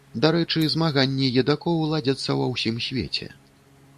Дарэчы, змаганні едакоў ладзяцца ва ўсім свеце.